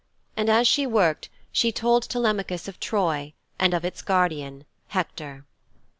And as she worked she told Telemachus of Troy and of its guardian, Hector.